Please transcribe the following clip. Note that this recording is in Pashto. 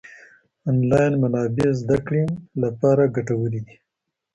انلاين منابع زده کړې لپاره ګټورې دي.